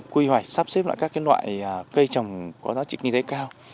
quy hoạch sắp xếp lại các loại cây trồng có giá trị kinh tế cao